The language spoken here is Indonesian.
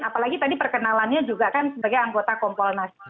apalagi tadi perkenalannya juga kan sebagai anggota kompolnas